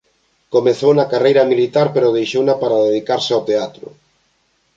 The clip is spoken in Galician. Comezou na carreira militar pero deixouna para dedicarse ao teatro.